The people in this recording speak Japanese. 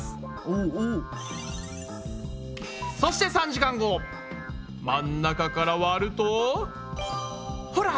そして３時間後真ん中から割るとほら！